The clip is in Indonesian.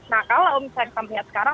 nah kalau misalnya kita melihat sekarang